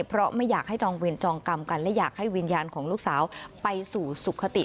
เพราะไม่อยากให้จองเวรจองกรรมกันและอยากให้วิญญาณของลูกสาวไปสู่สุขติ